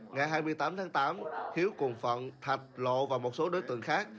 ngày hai mươi tám tháng tám hiếu cùng phận thạch lộ và một số đối tượng khác